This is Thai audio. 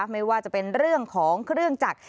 ไม่ว่าจะเป็นเรื่องของเครื่องจักร